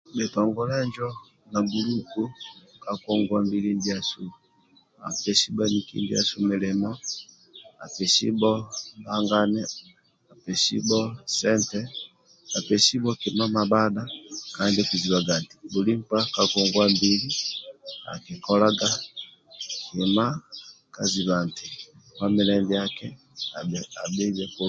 Bitongole injo na gulupu ka ngongwa mbili ndiasu apesi bhaniki milimo apesibho mbangane apesibho sente pesibho kika mamdha kqndi okuzibaga nti kangombili akikolaga kima ka ziba nti nkpa famile ndiaki abhibe kulungi